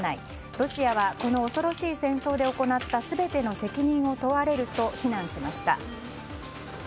ロシアは、この恐ろしい戦争で行った全ての責任を問われると非難しました。